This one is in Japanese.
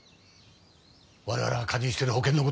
我々が加入してる保険の事で。